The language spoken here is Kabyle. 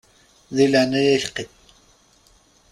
Di leɛnaya-k qqim!